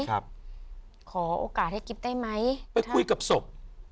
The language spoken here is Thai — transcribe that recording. ขอโอกาสให้กิ๊บได้ไหมไปคุยกับศพ